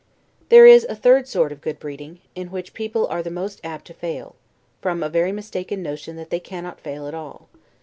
There is a third sort of good breeding, in which people are the most apt to fail, from a very mistaken notion that they cannot fail at all.